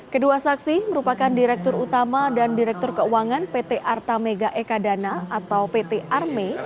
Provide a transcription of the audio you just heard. kedua saksi merupakan direktur utama dan direktur keuangan pt arta mega ekadana atau pt arme